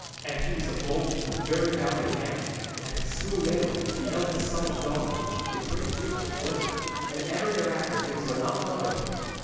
And he was a bold and very valiant man; and he slew Maelond, the eldest son of Domna, the great witch of Glaive, and ever thereafter things were not well with him.